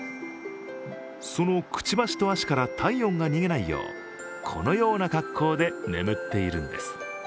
そのくちばしと足から体温が逃げないようこのような格好で眠っているんです。